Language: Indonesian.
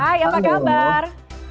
hai apa kabar